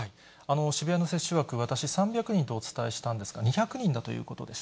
渋谷の接種枠、私、３００人とお伝えしたんですが、２００人だということです。